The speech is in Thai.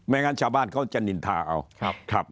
ไม่งั้นชาวบ้านเขาจะนินทาเอา